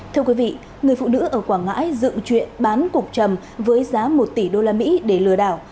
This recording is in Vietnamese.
thưa quý vị người phụ nữ ở quảng ngãi dựng chuyện bán cục trầm với giá một tỷ usd để lừa đảo